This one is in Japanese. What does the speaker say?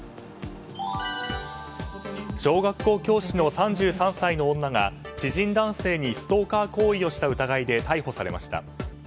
小学校教師の３３歳の女が知人男性にストーカー行為をした疑いで逮捕されました。